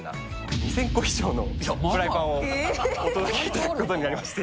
２０００個以上のフライパンをお届けいただくことになりまして。